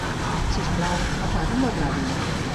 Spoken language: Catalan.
Sisplau, apaga la ràdio.